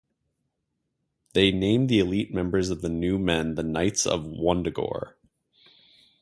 They named the elite members of the New Men the Knights of Wundagore.